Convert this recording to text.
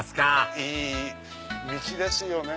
いい道ですよね